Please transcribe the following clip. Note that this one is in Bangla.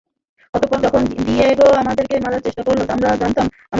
তারপর যখন ডিয়েগো আমাদেরকে মারার চেষ্টা করল, আমরা জানতাম, আমরা পরিবারই হব।